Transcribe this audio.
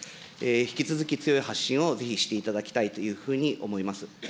引き続き強い発信をぜひしていただきたいというふうに思います。